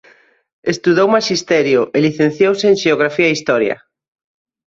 Estudou Maxisterio e licenciouse en Xeografía e Historia.